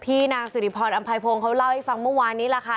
พี่นางสิริพรอัมภัยพงศ์เขาเล่าให้ฟังเมื่อวานนี้แหละค่ะ